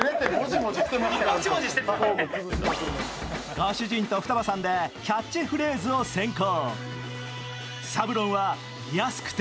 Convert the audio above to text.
ご主人と双葉さんでキャッチフレーズを選考。